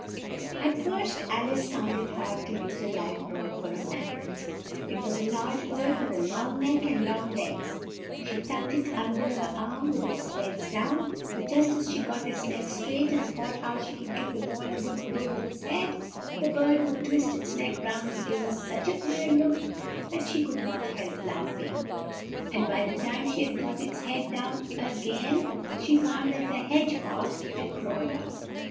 At first Al ice found it hard to use a live bird for a mal let. It was a large bird with a long neck and long legs. She tucked it un der her arm with its legs down, but just as she got its neck straight and thought now she could give the ball a good blow with its head, the bird would twist its neck round and give her such a queer look, that she could not help laugh ing; and by the time she had got its head down a gain, she found that the hedge hog had crawled off.